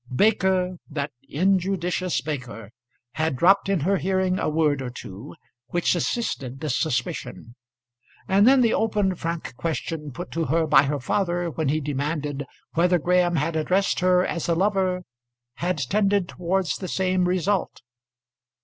Baker, that injudicious Baker, had dropped in her hearing a word or two, which assisted this suspicion. And then the open frank question put to her by her father when he demanded whether Graham had addressed her as a lover, had tended towards the same result.